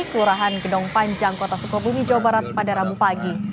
kelurahan gedong panjang kota sukabumi jawa barat pada rabu pagi